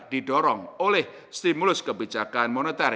didorong oleh stimulus kebijakan moneter